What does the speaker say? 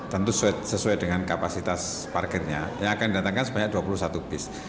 tentu sesuai dengan kapasitas parkirnya yang akan didatangkan sebanyak dua puluh satu bis